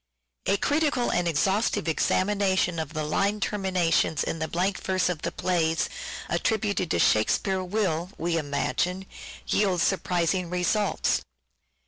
A critical and exhaustive examination of the line shake terminations in the blank verse of the plays attributed sPear.ea^. r J terminations to " Shakespeare will, we imagine, yield surprising results.